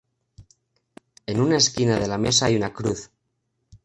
En una esquina de la mesa hay una cruz.